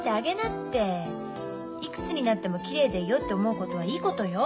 いくつになってもきれいでいようって思うことはいいことよ。